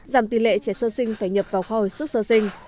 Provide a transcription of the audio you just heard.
giảm tỷ lệ trẻ sơ sinh phải nhập vào kho hồi xuất sơ sinh